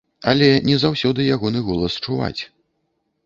Але не заўсёды ягоны голас чуваць.